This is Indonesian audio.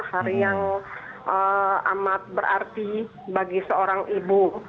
hari yang amat berarti bagi seorang ibu